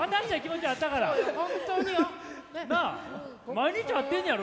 毎日会ってんねんやろ？